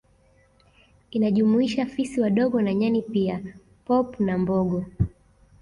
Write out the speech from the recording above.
Inajumuisha fisi wadogo na Nyani pia pop na mbogo